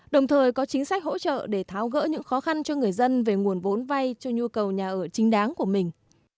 đồng thời có chính sách hỗ trợ để tháo gỡ những khó khăn cho người dân về nguồn vốn vay cho nhu cầu nhà ở chính đáng của mình